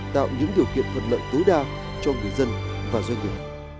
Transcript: tạo những điều kiện thuận lợi tối đa cho người dân và doanh nghiệp